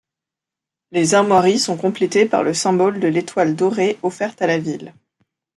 Les armoiries sont complétées par le symbole de l'étoile dorée offerte à la ville.